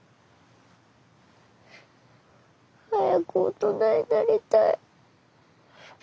早く大人になりたい。